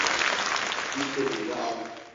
İstediğini al.